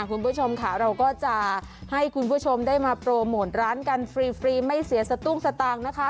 คุณผู้ชมค่ะเราก็จะให้คุณผู้ชมได้มาโปรโมทร้านกันฟรีไม่เสียสตุ้งสตางค์นะคะ